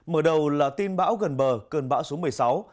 mở đầu là tin bão gần bờ cơn bão số một mươi sáu